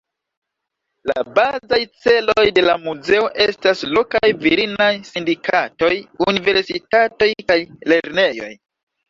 La bazaj celoj de la muzeo estas lokaj virinaj sindikatoj, universitatoj kaj lernejoj.